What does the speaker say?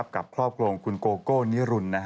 กับครอบครัวของคุณโกโก้นิรุน